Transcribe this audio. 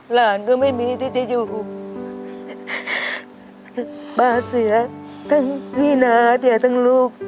หลานก็ไม่มีที่จะอยู่ป้าเสียทั้งพี่น้าเสียทั้งลูก